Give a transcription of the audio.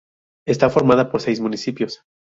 Está formada por seis municipios.